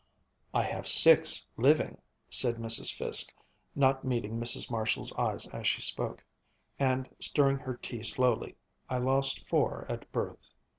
"I have six living," said Mrs. Fiske, not meeting Mrs. Marshall's eyes as she spoke, and stirring her tea slowly, "I lost four at birth."